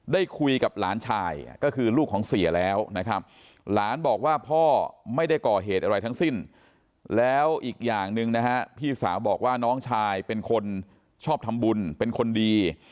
ได้คุยกับหลานชายก็คือลูกของเสียแล้วนะครับหลานบอกว่าพ่อไม่ได้ก่อเหตุอะไรทั้งสิ้นแล้วอีกอย่างหนึ่งนะฮะพี่สาวบอกว่าน้องชายเป็นคนชอบทำบุญเป็นคนดี